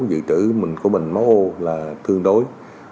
giữ trữ của mình máu ô là thương đối